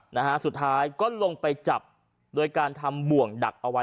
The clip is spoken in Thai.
นะฮะสุดท้ายก็ลงไปจับโดยการทำบ่วงดักเอาไว้